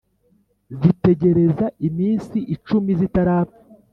zitegereza iminsi icumi zitarapfa,